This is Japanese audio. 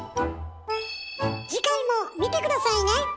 次回も見て下さいね！